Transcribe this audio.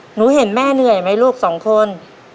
หนูเห็นแม่เหนื่อยไหมลูกสองคน